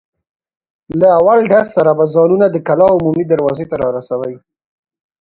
له اول ډز سره به ځانونه د کلا عمومي دروازې ته را رسوئ.